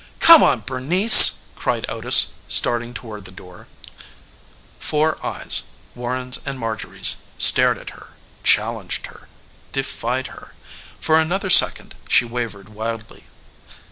"Come on, Bernice!" cried Otis, starting toward the door. Four eyes Warren's and Marjorie's stared at her, challenged her, defied her. For another second she wavered wildly.